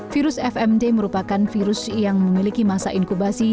virus fmt merupakan virus yang memiliki masa inkubasi